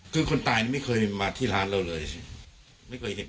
คือคนตายนี่ไม่เคยมาที่ร้านเราเลยไม่เคยเห็น